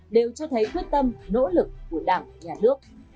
đều cho thấy quyết tâm nỗ lực của đảng nhà nước